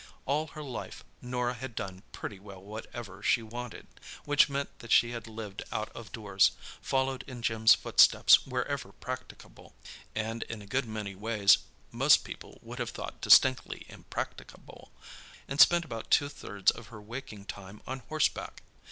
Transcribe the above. All her life Norah had done pretty well whatever she wanted—which meant that she had lived out of doors, followed in Jim's footsteps wherever practicable (and in a good many ways most people would have thought distinctly impracticable), and spent about two thirds of her waking time on horseback.